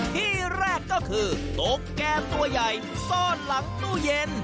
ที่แรกก็คือตุ๊กแก่ตัวใหญ่ซ่อนหลังตู้เย็น